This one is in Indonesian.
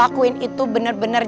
aku gak udah capek